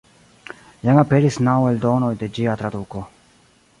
Jam aperis naŭ eldonoj de ĝia traduko.